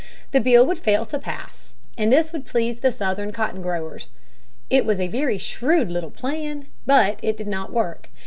The bill would fail to pass, and this would please the Southern cotton growers. It was a very shrewd little plan. But it did not work.